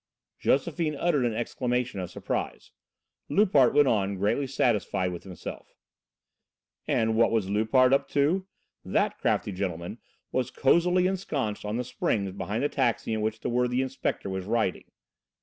Josephine uttered an exclamation of surprise. Loupart went on, greatly satisfied with himself: "And what was Loupart up to? That crafty gentleman was cosily ensconced on the springs behind the taxi in which the worthy inspector was riding."